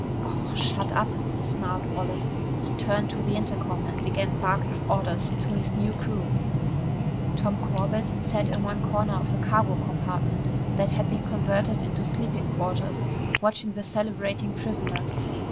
"Aw shut up!" snarled Wallace. He turned to the intercom and began barking orders to his new crew. Tom Corbett sat in one corner of a cargo compartment that had been converted into sleeping quarters, watching the celebrating prisoners.